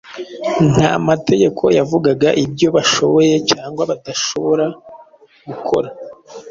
Nta mategeko yavugaga ibyo bashoboye cyangwa badashobora gukora.